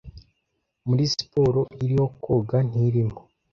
Muri siporo iriho koga ntirimo